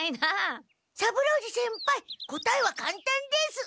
三郎次先輩答えはかんたんです。